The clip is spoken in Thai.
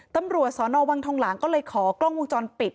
ตำรวจสนวังทองหลางก็เลยขอกล้องวงจรปิด